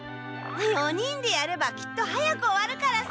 ４人でやればきっと早く終わるからさ。